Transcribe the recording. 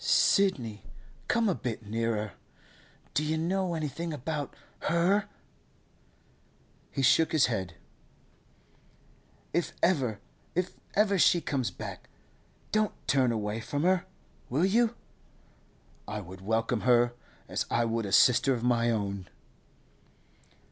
'Sidney, come a bit nearer. Do you know anything about her?' He shook his head. 'If ever—if ever she comes back, don't turn away from her—will you?' 'I would welcome her as I would a sister of my own.